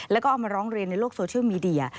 แล้วก็เอามาร้องเรียนในโลกโซเชียลมีเดีย